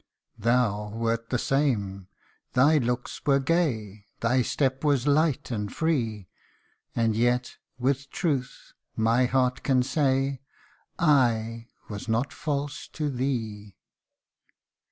Thou wert the same ; thy looks were gay, Thy step was light and free ; And yet, with truth, my heart can say, / was not false to thee